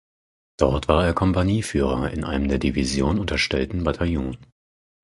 Dort war er Kompanieführer in einem der Division unterstellten Bataillon.